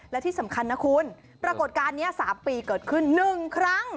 และที่สำคัญนะคุณปรากฏการณ์นี้๓ปีเกิดขึ้น๑ครั้ง